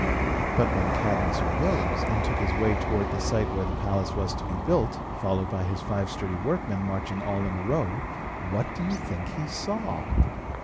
But, when Cadmus arose, and took his way toward the site where the palace was to be built, followed by his five sturdy workmen marching all in a row, what do you think he saw?